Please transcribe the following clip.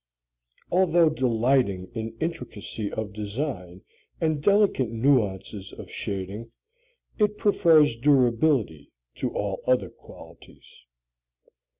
Although delighting in intricacy of design and delicate nuances of shading, it prefers durability to all other qualities.